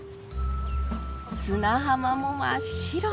砂浜も真っ白。